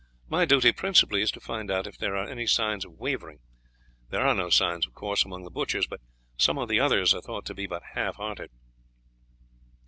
My duty principally is to find out if there are any signs of wavering; there are no signs, of course, among the butchers, but some of the others are thought to be but half hearted."